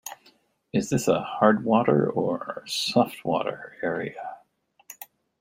Is this a hard water or a soft water area?